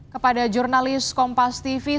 kepada jurnalis kompas tv